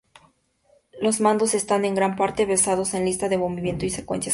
Los mandos están en gran parte basados en listas de movimiento y secuencias claves.